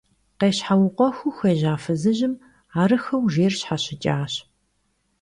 Къещхьэукъуэхыу хуежьа фызыжьым арыххэу жейр щхьэщыкӀащ.